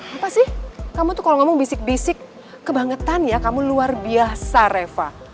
apa sih kamu tuh kalau ngomong bisik bisik kebangetan ya kamu luar biasa reva